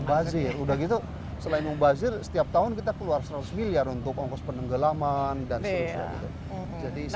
ubazir udah gitu selain ubazir setiap tahun kita keluar seratus miliar untuk ongkos penenggelaman dan sebagainya gitu